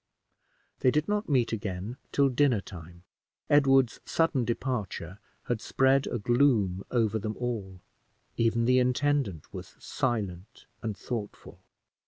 They did not meet again till dinner time. Edward's sudden departure had spread a gloom over them all even the intendant was silent and thoughtful.